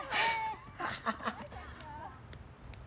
アハハハ。